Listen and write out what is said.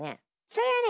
それはね